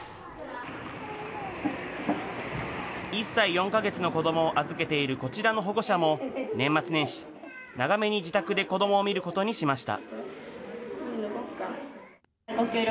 １歳４か月の子どもを預けているこちらの保護者も、年末年始、長めに自宅で子どもをみることにしました。